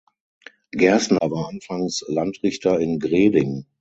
Gerstner war anfangs Landrichter in Greding.